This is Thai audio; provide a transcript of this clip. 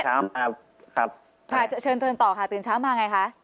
ครับครับค่ะเชิญเชิญต่อค่ะตื่นเช้ามาไงคะ